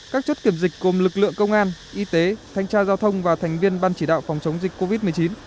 các chốt kiểm dịch gồm lực lượng công an y tế thanh tra giao thông và thành viên ban chỉ đạo phòng chống dịch covid một mươi chín